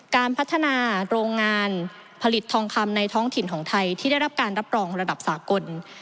การพัฒนาโรงงานผลิตทองคำในท้องถิ่นของไทยที่ได้รับการรับรองระดับสากล